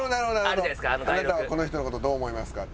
「あなたはこの人の事どう思いますか？」。